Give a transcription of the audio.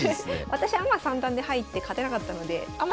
私アマ三段で入って勝てなかったのでアマ